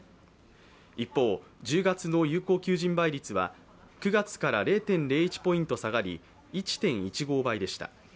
一方、１０月の有効求人倍率は９月から０．０１ポイント下がり１．１５倍でした。